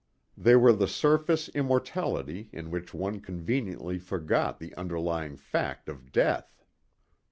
They were the surface immortality in which one conveniently forgot the underlying fact of death.